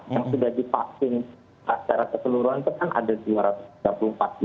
yang sudah divaksin secara keseluruhan itu kan ada dua ratus tiga puluh empat juta